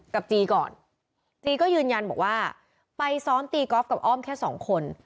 จีก่อนจีก็ยืนยันบอกว่าไปซ้อมตีกอล์ฟกับอ้อมแค่สองคน